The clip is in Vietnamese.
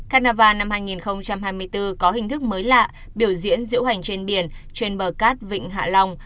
carniva năm hai nghìn hai mươi bốn có hình thức mới lạ biểu diễn diễu hành trên biển trên bờ cát vịnh hạ long